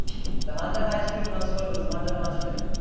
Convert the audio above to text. The Hunter High School mascot was Hunter Huntsmen.